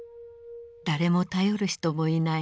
誰も頼る人もいない